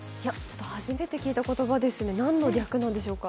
初めて聞いた言葉ですね、何の略なんでしょうか？